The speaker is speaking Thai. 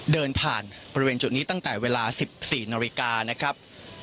เดินผ่านบริเวณจุดนี้ตั้งแต่เวลา๑๔นาฬิกานะครับ